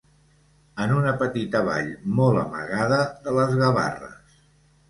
En una petita vall molt amagada de les Gavarres.